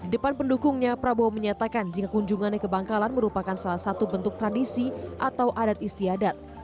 depan pendukungnya prabowo menyatakan jika kunjungannya ke bangkalan merupakan salah satu bentuk tradisi atau adat istiadat